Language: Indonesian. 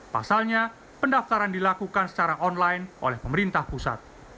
pasalnya pendaftaran dilakukan secara online oleh pemerintah pusat